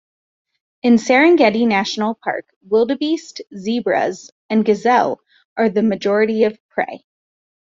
In Serengeti National Park, wildebeest, zebras and gazelle are the majority of prey.